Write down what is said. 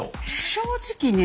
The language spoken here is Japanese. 正直ね